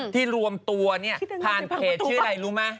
รวมตัวเนี่ยผ่านเพจชื่ออะไรรู้ไหม